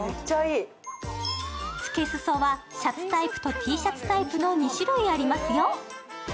付け裾はシャツタイプとＴシャツタイプの２種類ありますよ。